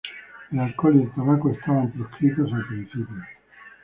El alcohol y el tabaco estaban proscritos al principio.